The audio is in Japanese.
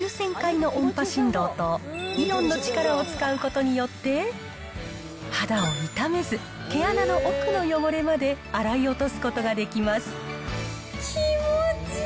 １分間におよそ９０００回の音波振動とイオンの力を使うことによって、肌を傷めず、毛穴の奥の汚れまで洗い落とすことができます。